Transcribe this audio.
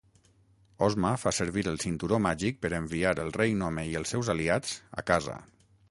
Ozma fa servir el cinturó màgic per enviar el Rei Nome i els seus aliats a casa.